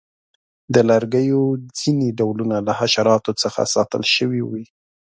د لرګیو ځینې ډولونه له حشراتو څخه ساتل شوي وي.